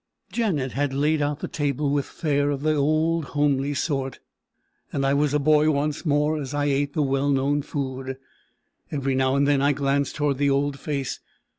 Janet had laid out the table with fare of the old homely sort, and I was a boy once more as I ate the well known food. Every now and then I glanced towards the old face.